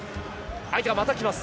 相手がまた来ます。